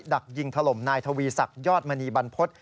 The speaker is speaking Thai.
ดักยิงถล่มนายทวีศักดิ์ยอดมณีบรรพฤษ